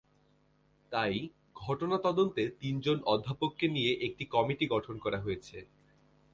তাই ঘটনা তদন্তে তিনজন অধ্যাপককে নিয়ে একটি কমিটি গঠন করা হয়েছে।